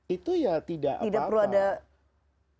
itu ya tidak apa apa